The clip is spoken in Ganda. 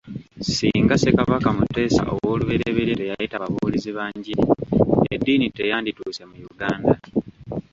Singa Ssekabaka Muteesa ow'oluberyeberye teyayita babuulizi ba njiri, eddiini teyandituuse mu Uganda.